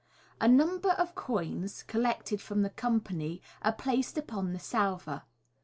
A number of coins, collected from the company, are placed upon the salver.